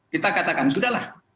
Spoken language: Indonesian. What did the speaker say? kita katakan sudah lah